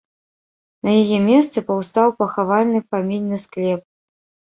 На яе месцы паўстаў пахавальны фамільны склеп.